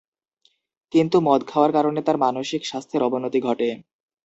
কিন্তু, মদ খাওয়ার কারণে তার মানসিক স্বাস্থ্যের অবনতি ঘটে।